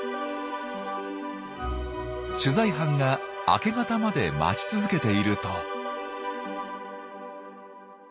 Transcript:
取材班が明け方まで待ち続けていると。